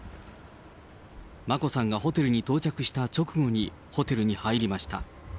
眞子さんがホテルに到着した直後にホテルに入りました。